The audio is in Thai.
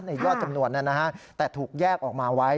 ยอดจำนวนแต่ถูกแยกออกมาไว้